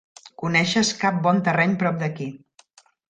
Coneixes cap bon terreny prop d'aquí.